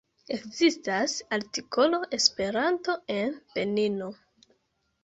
Ekzistas artikolo Esperanto en Benino.